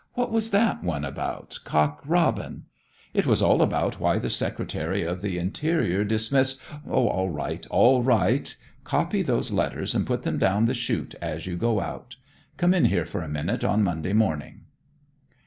"What was that one about Cock Robin?" "It was all about why the secretary of the interior dismissed " "All right, all right. Copy those letters, and put them down the chute as you go out. Come in here for a minute on Monday morning."